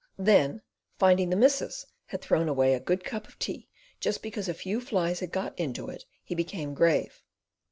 Then finding the missus had thrown away a "good cup of tea just because a few flies had got into it," he became grave.